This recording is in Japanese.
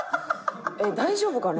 「大丈夫かな？」